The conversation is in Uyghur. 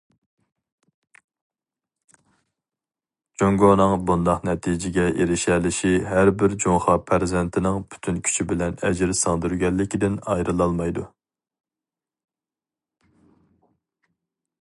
جۇڭگونىڭ بۇنداق نەتىجىگە ئېرىشەلىشى ھەر بىر جۇڭخۇا پەرزەنتىنىڭ پۈتۈن كۈچى بىلەن ئەجىر سىڭدۈرگەنلىكىدىن ئايرىلالمايدۇ.